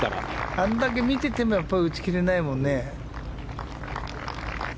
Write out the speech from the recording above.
あれだけ見てても打ち切れないもんね。